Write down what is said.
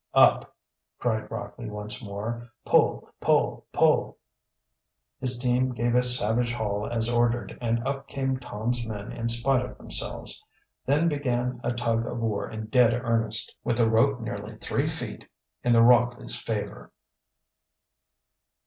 "Up!" cried Rockley once more. "Pull! pull! pull!" His team gave a savage haul as ordered, and up came Tom's men in spite of themselves. Then began a tug of war in dead earnest, with the rope nearly three feet in the Rockleys' favor.